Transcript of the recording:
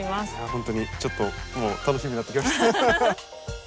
本当にちょっともう楽しみになってきました。